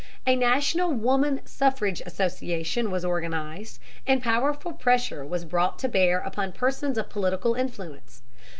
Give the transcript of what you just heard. A national Woman Suffrage Association was organized, and powerful pressure was brought to bear upon persons of political influence.